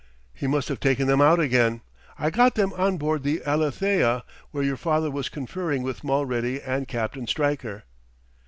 "He must have taken them out again.... I got them on board the Alethea, where your father was conferring with Mulready and Captain Stryker."